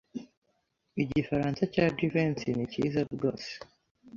Igifaransa cya Jivency ni cyiza rwose.